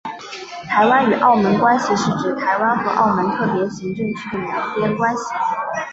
台湾与澳门关系是指台湾和澳门特别行政区的双边关系。